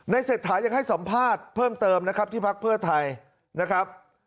เศรษฐายังให้สัมภาษณ์เพิ่มเติมนะครับที่พักเพื่อไทยนะครับ